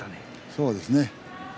そうですね。